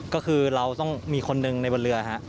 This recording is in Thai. ก็คือเราต้องมีคนหนึ่งในบนเรือฮะ